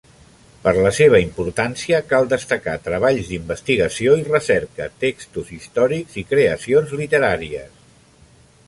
Per la seva importància cal destacar treballs d'investigació i recerca, textos històrics i creacions literàries.